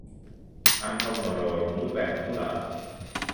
Ăn không ngồi rồi, núi bạc cũng lở